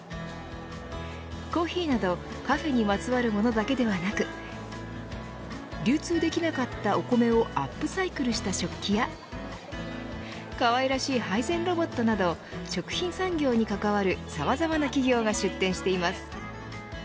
コーヒーなどカフェにまつわるものだけではなく流通できなかったお米をアップサイクルした食器やかわいらしい配膳ロボットなど食品産業に関わるさまざまな企業が出展しています。